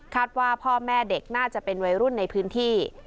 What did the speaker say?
ว่าพ่อแม่เด็กน่าจะเป็นวัยรุ่นในพื้นที่